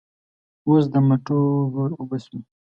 اوس د مټو زور اوبه شوی.